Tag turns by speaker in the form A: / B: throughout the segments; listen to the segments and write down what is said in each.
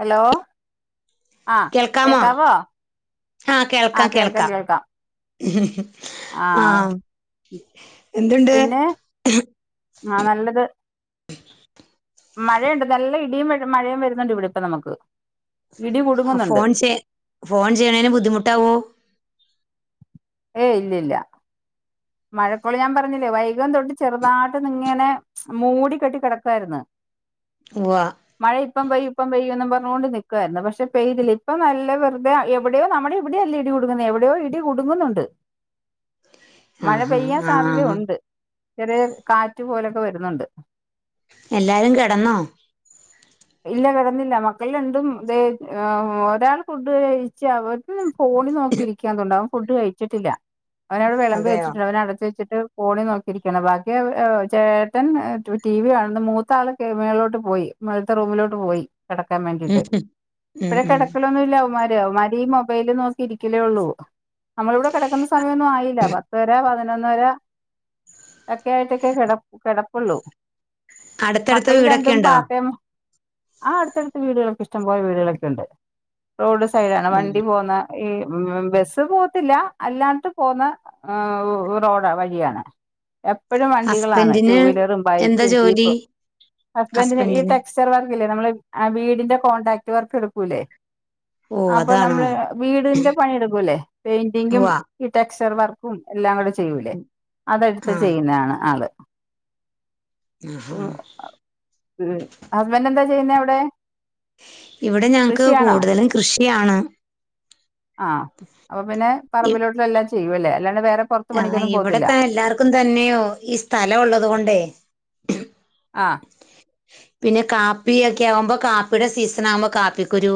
A: Hello ആഹ്
B: കേൾക്കാമോ
A: കേക്കാവോ
B: അ കേൾക്കാം കേൾക്കാം അ
A: ആഹ്
B: എന്തുണ്ട്
A: പിന്നെ ആഹ് നല്ലത് മഴയുണ്ട് നല്ല ഇടിയും വെ മഴയും വരുന്നുണ്ട് ഇവിടെ ഇപ്പ നമുക്ക് ഇടി കുടുങ്ങുന്നുണ്ട്
B: ഫോൺ ചെയ് ഫോൺ ചെയ്യണേന് ബുദ്ധിമുട്ടാവോ
A: ഏയ് ഇല്ല ഇല്ല മഴക്കോള് ഞാൻ പറഞ്ഞില്ലേ വൈഗും തൊട്ട് ചെറുതായിട്ട് നിങ്ങനെ മൂടി കെട്ടി കിടക്കുവായിരുന്നു
B: ഉവ്വ
A: മഴ ഇപ്പം പെയ്യും ഇപ്പം പെയ്യും ന്നും പർ ക്കോണ്ട് നിക്കുവായിരുന്നു പക്ഷെ പെയ്തില്ല ഇപ്പ നല്ല വെറുതെ എവിടെയോ നമ്മടെ എവിടെയല്ല ഇടി കുടുങ്ങുന്നുണ്ട് എവിടെയോ ഇടി കുടുങ്ങുന്നുണ്ട് മഴ
B: ആഹാ
A: പെയ്യാൻ
B: ആ
A: സാധ്യതുണ്ട് ചെറിയ കാറ്റ് പോലൊക്കെ വരുന്നുണ്ട്
B: എല്ലാരും കിടന്നോ
A: ഇല്ല കിടന്നില്ല മക്കള രണ്ടും ദേ ഒരാൾ ഫുഡ് കഴിച്ച് അവൾക് ഫോണി നോക്കി ഇരിക്കാതുണ്ടാവും ഫുഡ് കഴിച്ചിട്ടില്ല അവനവിടെ വിളമ്പി
B: അതെയോ
A: വെച്ചിട്ടു അവന അടച്ച വചി ഫോണി നോക്കിയിരിക്കണ് ബാക്കി ചേട്ടൻ ടി വി കാണണ് മൂത്ത ആൾ മേളിലോട്ട് പോയി റൂമിലോട്ട് പോയി കെടക്കാൻ
B: ഉം
A: വേണ്ടീട്ട്
B: ഉം ഉം
A: ഇപ്പഴേ
B: ഉം.
A: കെടക്കലൊന്നൂല്ല അവന്മാര് ല്ലെയോ അവൻമാരീ മൊബൈല് നോക്കി ഇരിക്കലേയുള്ളൂ നമ്മളിവിടെ കെടക്കുന്ന സമയൊന്നും ആയില്ല പത്തര പതിനൊ നൊന്നര ഒക്കെ ആയിട്ടൊക്കെ കിട കിടപ്പുള്ളൂ
B: അടുത്തടുത്ത
A: മക്കള്
B: വീടൊക്കെ
A: രണ്ടും
B: ഉണ്ടോ
A: പാർടൈം ആ അടുത്തടുത്ത് വീടുകളൊക്കെ ഇഷ്ടം പോലെ വീടുകളൊക്കെ ഒണ്ട് റോഡ്സ് തൈട് ആണ്
B: ഉം.
A: വണ്ടി പോകുന്ന ഈ ബ് ബസ് പോകത്തില്ല അല്ലാണ്ട് പോവുന്ന റോഡാവഴിയാണ് എപ്പോഴും വണ്ടികളാണ് ടു
B: ഹസ്ബൻഡിന്
A: വീലറും
B: എന്താ
A: ബൈക്കും
B: ജോലി
A: ജീപ്പും ഹസ്ബൻഡിന് ഇ ടെക്സ്ചർ വർക്കില്ലേ നമ്മള് വീടിന്റെ കോണ്ടാക്ട് ട്ടു വർക്‌ എടുക്കൂലേ
B: ഓ
A: അപ്പൊ
B: അതാണോ
A: നമ്മള് വീടിന്റെ പണിയെടുക്കൂല്ലേ പെയിന്റിങ്ങും
B: ഉവ്വ
A: ഈ ട്ട ചർവർക്കും എല്ലാം കൂടെ ച് ചെയ്യൂലേ
B: ഉം.
A: അതെടുത്ത്
B: ആ
A: ചെയ്യുന്നതാണ് ആള്
B: ആഹാ.
A: [unintelligible] എന്താ ചെയ്യുന്നേ അവിടെ
B: ഇവിടെ ഞങ്ങക്ക്
A: കൃഷിയാണോ
B: കൂടുതലും കൃഷിയാണ്
A: ആഹ് അപ്പൊ പിന്നെ [unintelligible]
B: ആ
A: പണിക്കൊന്നും പോവത്തില്ല
B: ഇവിടത്താ എല്ലാർക്കും തന്നെയോ ഈ സ്ഥലം ഒള്ളത് കൊണ്ടേ
A: ആ
B: പിന്നെ കാപ്പിയൊക്കെ ആവുമ്പോ കാപ്പിടെ സീസൺ ആവുമ്പോ കാപ്പിക്കുരു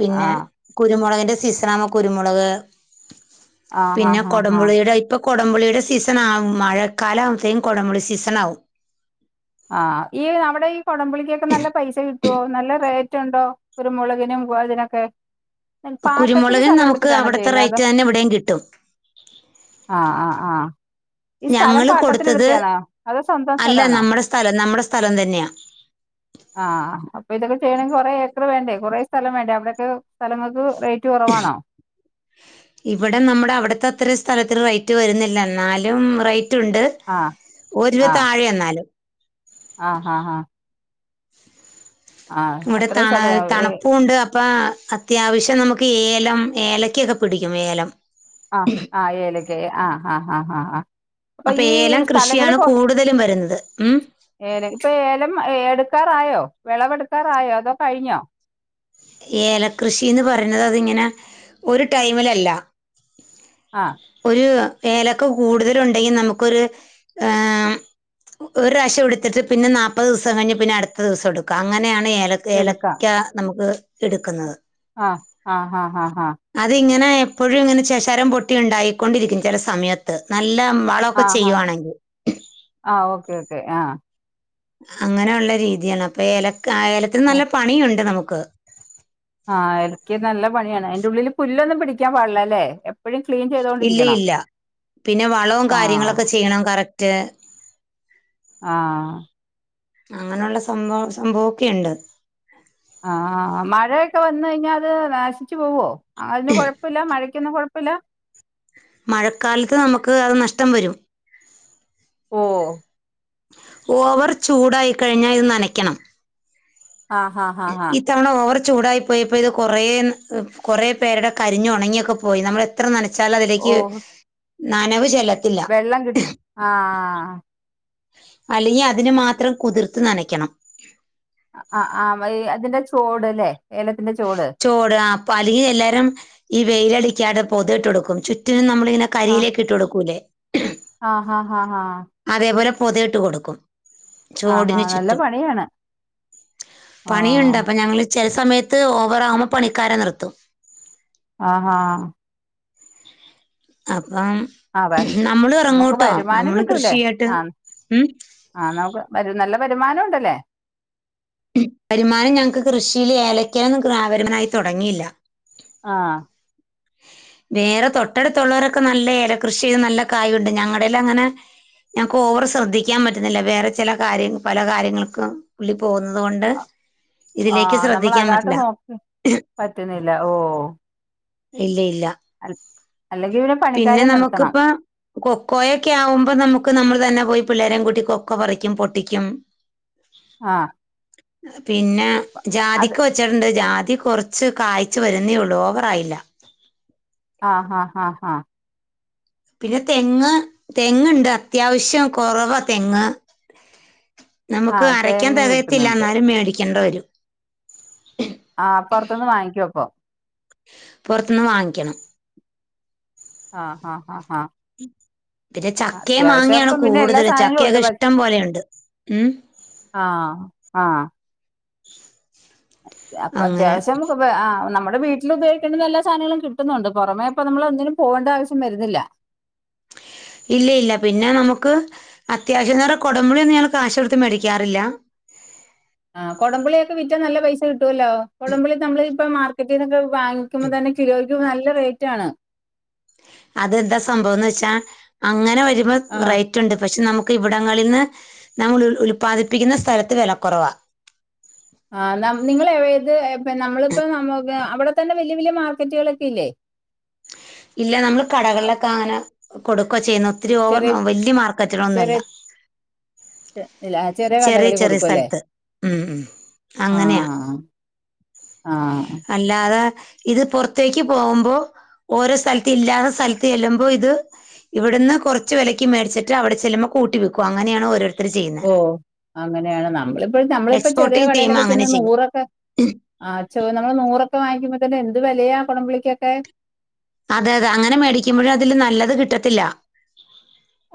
B: പിന്നെ
A: ആഹ്
B: കുരുമുളകിൻ ന്റെ സീസണാകുമ്പോ കുരുമുളക്
A: ആഹ് ഹാ
B: പിന്നെ
A: ഹാ ഹാ
B: കൊടമ്പുളിടെ ഇപ്പൊ കുടംപുളീടെ സീസൺ ആവും മഴക്കാല ആവ്തേം കുടംപുളി സീസണാവും
A: ആ ഈ നമ്മുടെ ഈ കൊടംപുളിക്കൊക്കെ നല്ല പൈസ കിട്ടുവോ നല്ലറേറ്റ് റ്റൊണ്ടോ ഒരു മുളകിനുംതിനൊക്കെ ഇൻ പാട്ടത്തിന്
B: കുരുമുളകിന്
A: സ്ഥലം
B: നമുക്ക്
A: എടുത്തിട്ടാണോ
B: അവിടുത്തെ
A: ചെയ്യുന്നത് അതോ
B: റേറ്റ് തന്നെ ഇവിടെയും കിട്ടും
A: ആ ആആ ഈ സ്ഥലം
B: ഞങ്ങള് കൊടുത്തത്
A: പാട്ടത്തിനെടുത്തെ ആണോ അതോ സ്വന്തം
B: അല്ല
A: സ്ഥലമാണോ
B: നമ്മുടെ സ്ഥലം നമ്മുടെ സ്ഥലം തന്നെയാ
A: അത് ചെയ്യണങ്കിൽ കൊറെ ഏക്കർ വേണ്ടേ കൊറെ സ്ഥലം വേണ്ടേ അവിടൊക്കെ സ്ഥലങ്ങൾക്ക് റേറ്റ് കുറവാണോ
B: ഇവിടെ നമ്മുടെ അവിടത്തെ അത്ര സ്ഥലത്തിന് റേറ്റ് റ്റ് വരുന്നില്ല എന്നാലും റേറ്റ് റ്റുണ്ട്
A: ആഹ്
B: ഒരു രൂപയെ താഴെയാ എന്നാലും
A: ആഹ് ആഹ് ആഹ്
B: ഇവിടെ
A: അത്രയും
B: തണ
A: സ്ഥലം
B: തണുപ്പുണ്ട് ഇപ്പ അത്യാവശ്യം നമുക്ക് ഏലം ഏലക്കൊക്കെ പിടിക്കും ഏലം
A: തെ ആഹ് ആഹ് ആഹ് ആഹ് അപ്പൊ ഈ
B: ഏലം
A: സ്ഥലങ്ങളി
B: കൃഷിയാണ്
A: പ്പ
B: കൂടുതലും വരുന്നത് ഉം
A: ഏലം ഏലക്ക വായോ വിളവെടുക്കാറായോ അതോ കഴിഞ്ഞോ
B: ഏലകൃഷിന്ന് പറയ്ന്നത് അതിങ്ങനെ ഒരു ടൈമിലല്ല
A: ആ
B: ഏലക്കെ കൂടുതല് ഉണ്ടെങ്കിൽ നമുക്കൊരു ഒരുപ്രാവിശ്യം എടുത്തിട്ട് പിന്നെ നാല്പ്പത് ദിവസം കഴിഞ്ഞു പിന്നെ അടുത്ത ദിവസം എടുക്ക അങ്ങനെയയാണ് ഏല ഏലക്ക നമുക്ക് എടുക്കുന്നത്
A: ആഹ് ആഹ് ആഹ് ആഹ് ഹ
B: അതിങ്ങനെ എപ്പോഴും ഇങ്ങനെ ശി ഖരം പൊട്ടിയുണ്ടായി കൊണ്ടിരിക്കും ചില സമയത്ത് ന ല്ല
A: ആ
B: വളൊക്കെ
A: ഹാ
B: ചെയ്യുവാണെങ്കിൽ
A: ആഹ്
B: അങ്ങനെയുള്ള രീതിയാണ് അപ്പൊ എല ക്കാലത്തിൽ നല്ല പണിയുണ്ട് നമുക്ക് [unintelligible]
A: ആഹ് എനിക്ക് നല്ല പണിയാണ് അയിൻ്റെ ഉള്ളില് പുല്ലൊന്നും പിടിക്കാൻ പാടില്ലല്ലേ എപ്
B: ഇല്ല ഇല്ല പിന്നെ വളവും
A: ആ
B: കാര്യങ്ങളൊക്കെ ചെയ്യണം കറക് [unintelligible]
A: ആഹ് ആഹ്
B: അങ്ങനെയുള്ള സംഭവ സംഭവൊക്കെയ്ണ്ട്
A: ആഹ് ആഹ് മഴയൊക്കെ വന്ന് കഴിഞ്ഞാ അത് നാശിച്ചു പോവോ? അതിന് കൊഴപ്പല്ല മഴയ്ക്കൊന്നും കൊഴപ്പ് പ്പല്ല
B: മഴക്കാലത്ത് നമുക്ക് അത് നഷ്ടം വരും.
A: ഓഹ്
B: ഓവർ ചൂടായിക്കഴിഞ്ഞാ ഇത് നനയ്ക്കണം.
A: ആഹ് ആഹ് ആഹ്
B: ഇത്തവണ ഓവർ ചൂടായി പോയപ്പോ ഇത് കൊറേ ന് കൊറെ പേരുടെ കരിഞ്ഞ് ഒണങ്ങിയൊക്കെ പോയി നമ്മൾ എത്ര നനച്ച് വച്ചാൽ
A: ഓ
B: അതിലേക്ക് നനവ് ചെല
A: വെള്ളം കിട്ട ആ ആ ആഹ്
B: അല്ലെങ്കി അതിന് മാത്രം കുതിർത്ത് നനക്കണം
A: ആ ആ വയ് അതിന്റെ ചോട്ല്ലേ?
B: ചോട് അപ്പൊ അടീൽ എല്ലാരും ഈ വെയിലടി ക്കാതെ പൊതു ഇട്ട്ടുക്കും ചുറ്റിനും നമ്മ ഇങ്ങനെ
A: ആ
B: കരിയിലയൊകെ ഇട്ട് കൊടുക്കൂല്ലേ?
A: ആഹ് ആഹ് ആഹ് ആഹ്
B: അതേപോലെ പൊത ഇട്ട് കൊടുക്കും-
A: ആഹ്
B: ചോടിന്
A: ആഹ് നല്ല
B: ചുറ്റും
A: പണിയാണ് ആഹ്
B: പണിയുണ്ട് അപ്പൊ ഞങ്ങള് - ചെല സമയത്ത് ഓവറാവുമ്പോ പണിക്കാരെ നിർത്തും-
A: ആഹ് ആഹ് -
B: ആ- അം
A: അതെ
B: നമ്മള്
A: നമുക്ക്
B: ഇറങ്ങൂട്ടോ
A: വരുമാനം
B: നമ്മള്
A: കിട്ടൂലേ
B: കൃഷിായിട്ട്
A: ആഹ്
B: ഉം
A: ആഹ് നമുക്ക് വരു നല്ല വരുമാനം ഉണ്ടല്ലേ
B: വരുമാനം ഞങ്ങക്ക് കൃഷിയില് ഏലയ്ക്കൊന്നും വരുമാനായി തുടങ്ങിയില്ല.
A: ആഹ്
B: വേറെ തൊട്ടടുത്തുള്ളവരൊക്കെ നല്ല ഏല കൃഷി ചെയ്ത് നല്ല കായുണ്ട് ഞങ്ങളുടെല് അങ്ങനെ ഞങ്ങക്ക് ഓവർ ശ്രദ്ധിക്കാൻ പറ്റുന്നില്ല വേറെ ചില കാര്യ പല കാര്യങ്ങൾക്കും പുള്ളി പോകുന്നത് കൊണ്ട്
A: ആ
B: ഇതിലേക്ക്
A: നമ്മൾ
B: ശ്രദ്ധിക്കാൻ
A: അതായിട്ട്
B: പറ്റില്ല
A: നോക്കി പറ്റുന്നില്ല ഓ
B: ഇല്ല ഇല്ല.
A: അൽ അല്ലെങ്കിൽ
B: പിന്നെ
A: പണിക്കാരെ നിർത്തണം
B: നമുക്കിപ്പ കൊക്കോയൊക്കെ ആവുമ്പോ നമുക്ക് നമ്മൾ തന്നെ പോയി പിള്ളേരേം കൂട്ടി കൊക്കോ പറിക്കും പൊട്ടിക്കും
A: ആഹ്
B: പിന്നെ
A: അത്
B: ജാതിക്ക വെച്ചിട്ട്ണ്ട് ജാതി കൊറച്ച് കായ്ച്ച് വരുന്നേ ഉള്ളൂ ഓവറായില്ല.
A: ആ ഹാ ഹാ ഹാ
B: പിന്നെ തെങ്ങ് തെങ്ങ്ണ്ട് അത്യാവശ്യം കൊറവാ തെങ്ങ്. നമുക്ക്
A: ആഹ്
B: അരയ്ക്കാൻ
A: തേങ്ങ
B: തെകയത്തില്ല
A: കിട്ടുന്നുണ്ട്
B: എന്നാലും മേടിക്കേണ്ട വരും
A: ആ പൊറത്തൂന്ന് വാങ്ങിക്കുവപ്പൊ
B: പൊറത്തുന്ന് വാങ്ങിക്കണം.
A: ആ ഹാ ഹാ
B: പിന്നെ ചക്കയും
A: അത്യാവശ്യം
B: മാങ്ങയാണ്
A: അപ്പം പിന്നെ എല്ലാ
B: കൂടുതൽ
A: സാധനങ്ങളും ഉണ്ട്
B: ചക്കയൊക്കെ ഇഷ്ടം പോലെയുണ്ട് ഉം
A: ആഹ്
B: [unintelligible]
A: ങ്ങ അപ്പൊ
B: അങ്ങനെ
A: അത്യാവശ്യം [unintelligible] നമ്മ ഇപ്പവീട്ടിൽ ഉപയോഗിക്കേണ്ടന്ന എല്ലാ സാധനങ്ങളും കിട്ടുന്നൊണ്ട്, പൊറമേ ഇപ്പ നമ്മൾ ഒന്നിനും പോവേണ്ട ആവശ്യം വരുന്നില്ല.
B: ഇല്ലിഇല്ല പിന്നെ നമുക്ക് അത്യാവശ്യം എന്ന് പറ കൊടമ്പുളിയൊന്നും ഞങ്ങൾ കാശുകൊടുത്ത് മേടിക്കാറില്ല.
A: ആ കൊടമ്പുളിക്കെ വിറ്റാൽ നല്ല പൈസ കിട്ടുവല്ലോ? കൊടംപുളി നമ്മള് ഇപ്പ മാർക്കറ്റിന്നൊക്കെ വാങ്ങിക്കുമ്പം തന്നെ കിലോയ് ക്ക് നല്ല റേറ്റ് ആണ്
B: അതെന്താ സംഭവംന്ന് വെച്ചാ അങ്ങനെ ഇപ്പ
A: ആ,
B: റേറ്റ് ഉണ്ട് പക്ഷെ നമു ഇവിടങ്ങളിൽ നിന്ന് നങ്ങള് ഉൽ ഉൽപാദിപ്പിക്കുന്ന സ്ഥലത്ത് വെല കൊറവാ
A: ആ നമ് നിങ്ങള് ഇത് നമ്മള് ഇപ്പം നമ്മക്ക് അവിടെത്തന്നെ വല്ല്യ വല്ല്യ മാർക്കറ്റുകളെക്കെ ഇല്ലേ
B: ഇല്ലൃനമ്മള്
A: ആ,
B: കടകളിലക്കെ അങ്ങനെ കൊടുക്കചെയ്യുന്നു ഒത്തിരി ഓവർ
A: ചെറിയ
B: വല്ല്യ മാർക്കറ്റിലൊന്നുഅല്ല
A: ചെറിയ ഇല്ല
B: ചെറിയ
A: കടകളിൽ
B: ചെറിയ
A: കൊടുക്കും അല്ലേ
B: സ്ഥലത്ത് ഉം ഉം
A: ആ
B: അങ്ങനെയാ
A: ആ
B: അല്ലാതെ ഇത് പൊർത്തേക്ക് പോകുമ്പോ ഓരോ സ്ഥലത്ത് ഇല്ലാതസ്ഥലത്ത് ചെല്ലുമ്പോഇത് ഇവിടുന്ന് കൊറച്ച് വെലയ്ക്ക് മേടിച്ചിട്ട് അവടെ ചെല്ലുമ്പോ കൂട്ടി വിക്കും അങ്ങനെയാണ് ഓരോരു
A: ഓ അങ്ങനെയാണ് നമ്മളിപ്പോ നമ്മളിപ്പോ ചെറിയ
B: എക്സ്പോർട്ടിങ് ചെയ്യുമ്പോൾ
A: കടയിലൊക്കെ
B: അങ്ങനെ
A: ചെന്ന്
B: ചെയ്യും
A: നൂറൊക്കെ ആ നമ്മള് നൂറൊക്കെ വാങ്ങിക്കുമ്പോ തെന്ത് വെലയാ കൊടംപളിക്കൊക്കെ
B: അതെ അതെ അങ്ങനെ മേടിക്കുമ്പോഴ് അതില് നല്ലത് കിട്ടത്തില്ല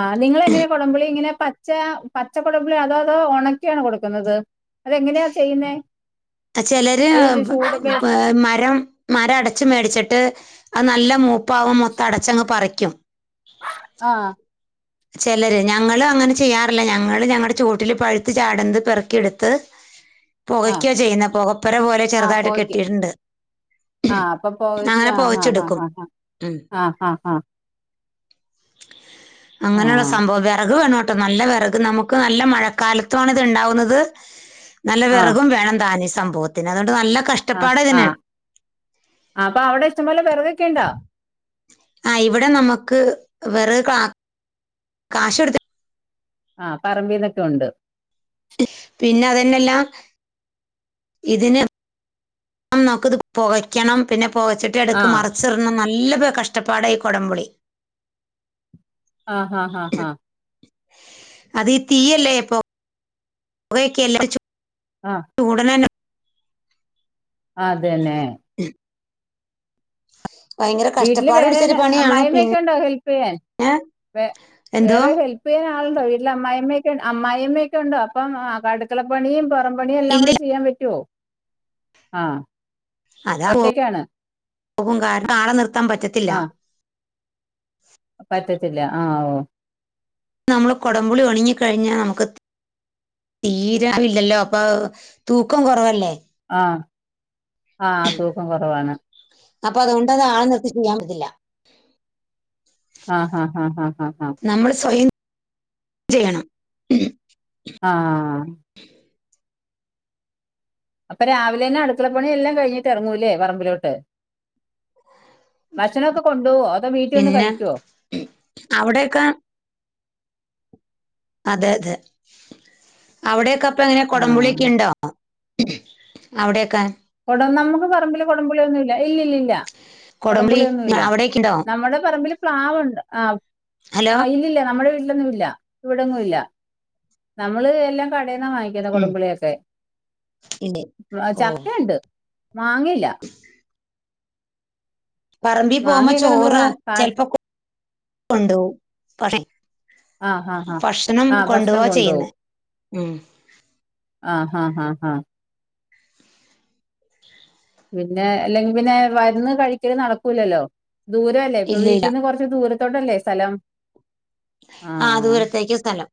A: ആ നിങ്ങളെങ്ങനാ കൊടംപുളിയെങ്ങനെ പച്ച പച്ചക്കൊടംമ്പുളി അതോ അതോ അത് ഒണക്കിയാണോ കൊടുക്കുന്നത് അതെങ്ങനെയാ ചെയ്യുന്നേ
B: ചെലര്
A: ഈ ചു ചൂടൊക്കെ
B: മരം മരം അടച്ച് മേടിച്ചിട്ട് അത് നല്ല മൂപ്പാവും മൊത്തം അടച്ചങ്ങ് പറിക്കും
A: ആ
B: ചെലര് ഞങ്ങള് അങ്ങനെ ചെയ്യാറില്ല ഞങ്ങള് ഞങ്ങടെ ചോട്ടില് പഴുത്ത് ചാടുന്നത് പെറുക്കിയെടുത്ത്
A: ആഹ്
B: പൊകയ്ക്കാ ചെയ്യുന്നെ പൊകപ്പൊര പോലെ
A: ആഹ്
B: ചെറുതായിട്ട്
A: പോവയ്ക്ക
B: കെട്ടിയിട്ടുണ്ട്
A: ആഹ് അപ്പൊ പോവച്ച
B: അങ്ങനെ
A: ആഹ് ആഹ്
B: പൊകച്ചെടുക്കും
A: ആഹ്
B: ഉം
A: ആഹ് ആഹ് ആഹ് ആഹ്
B: അങ്ങനെയുള്ള സംഭവം വിറക് വേണോ കേട്ടോ നല്ല വിറക് നമുക്ക് നല്ല മഴക്കാലത്തുവാണ് ഇത് ഉണ്ടാവുന്നത്. നല്ല
A: ആഹ്
B: വിറകും വേണം താനി സംഭവത്തിന് അതുകൊണ്ട് നല്ല
A: ആഹ്
B: കഷ്ടപ്പാട് ഇതിന്
A: ആഹ് ആഹ് അപ്പൊ അവിടെ ഇഷ്ടംപോലെ വിറകൊക്കെ ഉണ്ടോ?
B: ആ ഇവിടെ നമുക്ക് വെറക് കാശ് കൊടുത്തി
A: ആ പറമ്പിന്നൊക്കെ ഉണ്ട്
B: പിന്നെ അതന്നെയല്ല ഇതിന് നമുക്ക് ഇത് പുകയ്ക്കണം പിന്നെ പൊക ചട്ടി എടക്
A: ആഹ്
B: മറിച്ചിടണം നല്ല നല്ല പോലെ കഷ്ടപ്പാട ഇ കൊടമ്പുളി
A: ആ ആ ഹാഹാ
B: അത് ഈ തീയല്ലേ ഇപ്പൊ പുകയൊക്കെ അല്ലേ
A: ആഹ്
B: ചൂടനെന്നെ
A: ആ അതന്നെ
B: ഭയങ്കര
A: വീട്ടില്
B: കഷ്ടപ്പാട്
A: വേറെെ
B: പിടിച്ചൊരു പണിയാണ്
A: അമ്മായിമ്മയക്കെ വീട്ടില് വേറെ അമ്മായമ്മയക്കെ
B: പിന്നെ
A: ഉണ്ടോ ഹെല്പ് ചെയ്യാൻ,
B: എന്തോ
A: വേറെ ഹെല്പ് ചെയ്യാൻ ആളുണ്ടോ വീട്ടിൽ അമ്മായിമ്മ അമ്മായിമ്മയൊക്കെ ഉണ്ടോ? അപ്പം അടുക്കളപ്പണിയും പുറമ്പ പണിയെല്ലാം
B: ഇല്ല
A: കൂടെ ചെയ്യാൻ പറ്റുവോ ആ
B: അതാ
A: ഒറ്റക്കാണ്
B: പോകും കാരണം ആളെ നിർ നടത്താൻ പറ്റത്തില്ല
A: ആ പറ്റത്തില്ല ആ
B: നമ്മൾ കൊടമ്പുളി ഒണങ്ങി കഴിഞ്ഞാൽ നമുക്ക് തീരവില്ലല്ലോ അപ്പൊ തൂക്കം കുറവല്ലേ.
A: ആ ആ, ആ തൂക്കം കുറവാണ്
B: അപ്പൊ അതൊണ്ടത് ആളെ നിർത്തി ചെയ്യാൻ പറ്റില്ല
A: ആ, ആ, ആ, ആ
B: നമ്മൾ സ്വയം ചെയ്യണം
A: ആ അപ്പൊ രാവിലെ തന്നെ അടുക്കളപ്പണി എല്ലാം കഴിഞ്ഞിട്ട് ഇറങ്ങൂല്ലേ പറമ്പിലോട്ട്. ഭക്ഷണമൊക്കെ കൊണ്ടു പോവോ, അതോ വീട്ടിൽ വന്ന്
B: പിന്നെ
A: കഴിക്കുവോ?
B: അവിടെയൊക്കെ അതെ അതെ അവിടെക്കെ ഇപ്പൊങ്ങനെ
A: ആ
B: കൊടമ്പുളിയൊക്കെയിണ്ടോ അവിടെക്കെ
A: കൊട നമുക്ക് പറമ്പിലു കൊടമ്പുലിയൊന്നു ഇല്ലിലില്ല
B: കൊടംപുളി
A: കൊടമ്പുളിയൊന്നും ഇല്ല
B: അവിടെയൊക്കെ ഉണ്ടോ
A: നമ്മുടെ പറമ്പിലു പ്ലാവുണ്ട് ആ
B: ഹലോ
A: ആഹ ഇല്ലില്ല നമ്മുടെ വീ ന്നുല്ല ഇവിടെങ്ങുല്ല നമ്മളു എല്ലാം കാൻ ടെന്നാ വാങ്ങിക്കുന്നേ
B: ഉം
A: കൊടമ്പുളിയൊക്കെ
B: ഇല്ലേ ഓ
A: അച്ഛാ ക്കയിണ്ട് മാങ്ങയില്ലാ
B: പറമ്പി പോമ്പോ
A: മാങ്ങയൊക്കെ നമ്മള്
B: ചോറ്
A: കാ കാ
B: ചെൽപ്പോ കൊ ഉണ്ടോ പറയ്
A: ആ ഹാ ഹാ
B: ഭക്ഷണം
A: ആ
B: കൊണ്ടോവ
A: ഭക്ഷണം കൊണ്ടുപോകും
B: ചെയ്യുന്നേ ഉം
A: ആഹ് ഹഹ് ഹ് ഹ പിന്നെ അല്ലെങ്കി പിന്നെ വരുന്ന് കഴിക്കല് നടക്കൂലല്ലോ ദൂരമല്ലേ ഇപ്പൊ
B: ഇല്ല ഇല്ല
A: വീട്ടീന്ന് കുറച്ച് ദൂര തൊട്ടല്ലേ സ്ഥലം
B: ആ
A: ആഹ്
B: ദൂരത്തേക്ക് സ്ഥലം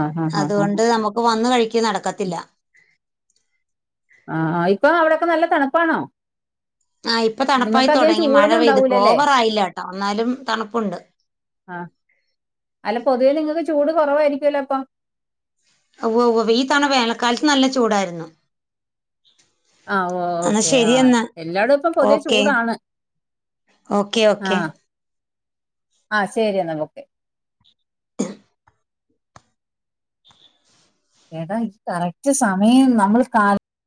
A: ആഹ് ആഹ് ആഹ് ആഹ്
B: അതുകൊണ്ട് നമ്മുക്ക് വന്ന് കഴിക്കി നടക്കത്തില്ല
A: ആഹ് ഇപ്പൊ അവിടൊക്കെ നല്ല തണുപ്പാണോ
B: ആഹ് ഇപ്പൊ
A: നിങ്ങൾക്ക് അധികം
B: തണുപ്പായിത്തൊടങ്ങി മഴ
A: ചൂടൊന്നും
B: പെയ്തു ഇപ്പ
A: ഉണ്ടാവൂലല്ലേ
B: ഓവറായില്ലാട്ടോ എ അന്നാലും തണുപ്പുണ്ട്
A: ആഹ് അല്ല പൊതുവേ നിങ്ങൾക്ക് ചൂട് കൊറവായിരിക്കുവല്ലോ അപ്പം
B: ഉവ്വ ഉവ്വ ഈ തവണ വേനക്കാലത്ത് നല്ല ചൂടായിരുന്നു
A: ആഹ്
B: എന്നാ
A: ഓക്കെ
B: ശരി
A: ആഹ്
B: എന്നാ
A: എല്ലാടും ഇപ്പം പൊതുവെ
B: ഓക്കെ
A: ചൂടാണ്
B: ഓക്കെ ഓക്കെ
A: ആഹ് ആ ശരി എന്നാ ബൊക്കെ എടാ ഈ കറക്റ്റ് സമയം നമ്മൾ കാൽ